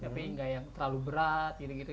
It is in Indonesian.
tapi nggak yang terlalu berat gitu gitu